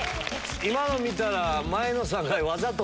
今の見たら。